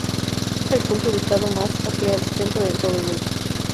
Es el punto ubicado más hacia el centro en todo el grupo.